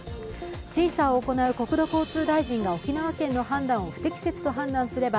審査を行う国土交通大臣が沖縄県の判断を不適切と判断すれば